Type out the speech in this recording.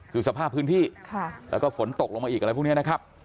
อยู่สภาพพื้นที่แล้วก็ฝนตกลงมาอีกกันแล้วพรุ่งนี้นะครับ